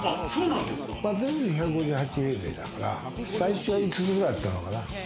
全部で１５８平米だから、最初は５つぐらいあったのかな。